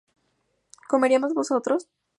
¿comeríamos nosotros?